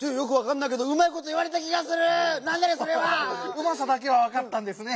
うまさだけはわかったんですね。